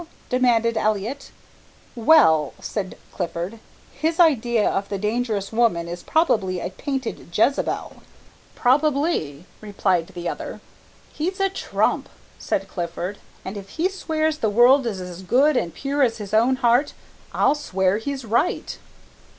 demanded Elliott "Well," said Clifford, "his idea of the dangerous woman is probably a painted Jezabel." "Probably," replied the other. "He's a trump!" said Clifford, "and if he swears the world is as good and pure as his own heart, I'll swear he's right."